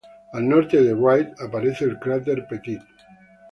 Al norte de Wright aparece el cráter Pettit.